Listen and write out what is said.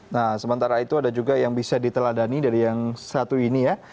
nah sementara itu ada juga yang bisa diteladani dari yang satu ini ya